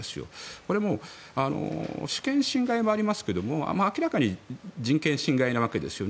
これは主権侵害もありますが明らかに人権侵害なわけですよね。